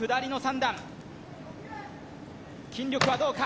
筋力はどうか？